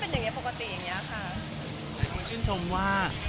เป็นเพื่อนกันได้ค่ะเป็นเพื่อนกันได้แล้วก็ผ่านมาเป็น๑๐ปีแล้วอ่ะ